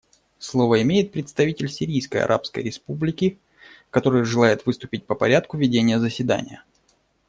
Слово имеет представитель Сирийской Арабской Республики, который желает выступить по порядку ведения заседания.